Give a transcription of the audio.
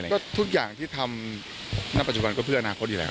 ก็ทุกอย่างที่ทำณปัจจุบันก็เพื่ออนาคตอยู่แล้ว